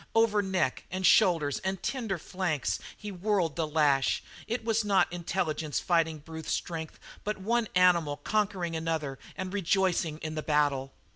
Over neck and shoulders and tender flanks he whirled the lash; it was not intelligence fighting brute strength, but one animal conquering another and rejoicing in the battle.